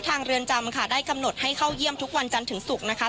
เรือนจำค่ะได้กำหนดให้เข้าเยี่ยมทุกวันจันทร์ถึงศุกร์นะคะ